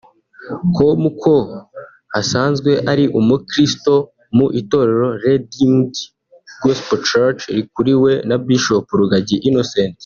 com ko asanzwe ari umukristo mu itorero Redeemed Gospel church rikuriwe na Bishop Rugagi Innocent